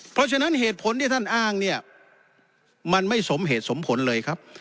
เพราะฉะนั้นเหตุผลที่ท่านอ้างเนี่ยมันไม่สมเหตุสมผลเลยครับ